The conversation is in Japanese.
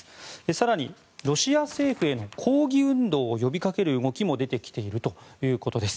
更に、ロシア政府への抗議運動を呼びかける動きも出てきているということです。